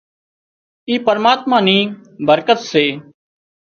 اِي پرماتما نِي برڪت سي